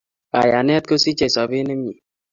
Kayanet kosichei sobet ne mie